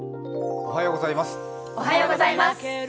おはようございます。